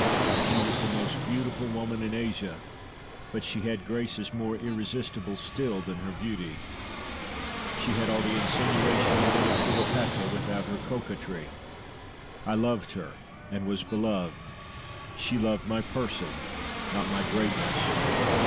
She was the most beautiful woman in Asia, but she had graces more irresistible still than her beauty. She had all the insinuation and wit of Cleopatra, without her coquetry. I loved her, and was beloved; she loved my person, not my greatness.